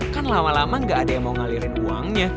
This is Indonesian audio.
kan lama lama gak ada yang mau ngalirin uangnya